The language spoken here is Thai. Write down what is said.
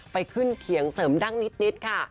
ไปขึ้นเขียงเสริมดั้งนิดค่ะ